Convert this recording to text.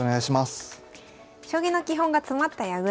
将棋の基本が詰まった矢倉。